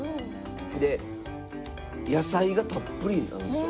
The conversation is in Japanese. で野菜がたっぷりなんですよ。